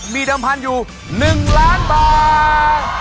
มีเดิมพันธุ์อยู่๑ล้านบาท